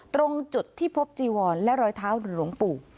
ตรงจุดที่พบจีวรและรอยเท้าหรือหลวงปู่